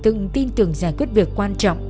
từng tin tưởng giải quyết việc quan trọng